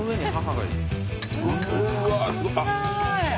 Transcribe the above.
うわすご。